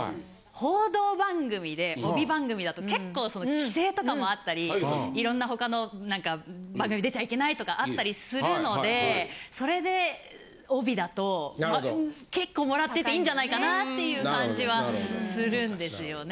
報道番組で帯番組だと結構規制とかもあったりいろんな他の番組出ちゃいけないとかあったりするのでそれで帯だと結構もらってていいんじゃないかなっていう感じはするんですよね。